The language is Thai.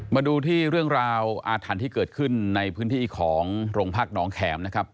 มาดูที่เรื่องราวอาถรรพ์ที่เกิดขึ้นในพื้นที่ของโรงพักหนองแขมนะครับ